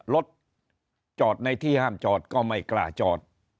รถจอดในที่ห้ามจอดก็ไม่กล้าจอด